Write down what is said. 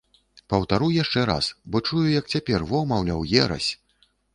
Паўтару яшчэ раз, бо чую, як цяпер, во, маўляў, ерась!